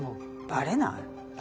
バレない。